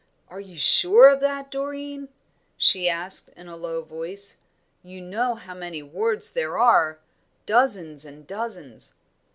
"Are you sure of that, Doreen?" she asked, in a low voice. "You know how many Wards there are dozens and dozens."